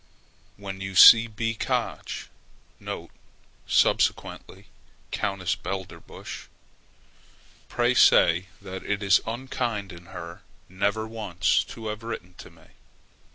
When you see B. Koch [subsequently Countess Belderbusch], pray say that it is unkind in her never once to have written to me.